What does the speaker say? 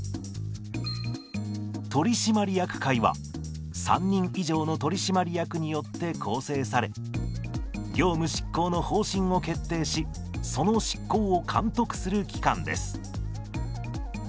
取締役会は３人以上の取締役によって構成され業務執行の方針を決定しその執行を監督する機関です。